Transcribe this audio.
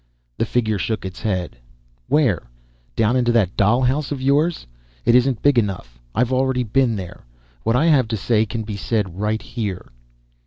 The figure shook its head. "Where? Down into that dollhouse of yours? It isn't big enough. I've already been there. What I have to say can be said right here."